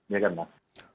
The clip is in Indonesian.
ya kan mas